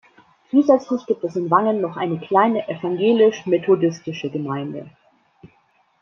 Zusätzlich gibt es in Wangen noch eine kleine evangelisch-methodistische Gemeinde.